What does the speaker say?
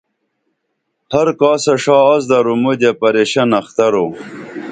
ہر کاسہ ݜا آس درو مودیہ پریشن اخترو